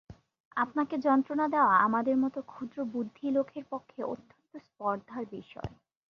আপনাকে মন্ত্রণা দেওয়া আমাদের মতো ক্ষুদ্রবুদ্ধি লোকের পক্ষে অত্যন্ত স্পর্ধার বিষয়।